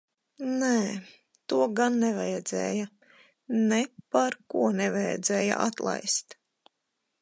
Nē, to gan nevajadzēja. Neparko nevajadzēja atlaist.